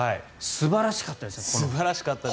素晴らしかったです。